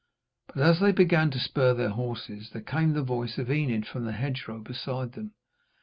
But as they began to spur their horses, there came the voice of Enid from the hedgerow beside them.